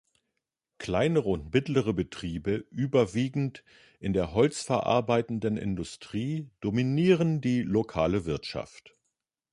Kleinere und mittlere Betriebe überwiegend in der holzverarbeitenden Industrie dominieren die lokale Wirtschaft.